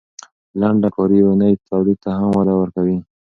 لنډه کاري اونۍ تولید ته هم وده ورکوي.